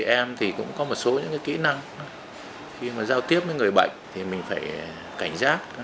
các em thì cũng có một số những kỹ năng khi mà giao tiếp với người bệnh thì mình phải cảnh giác